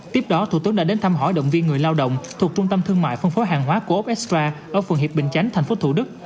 tiếp đó thủ tướng đã đến thăm hỏi động viên người lao động thuộc trung tâm thương mại phân phối hàng hóa của úc espra ở phường hiệp bình chánh tp thủ đức